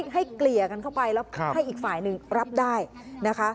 เกลี่ยกันเข้าไปแล้วให้อีกฝ่ายหนึ่งรับได้นะคะ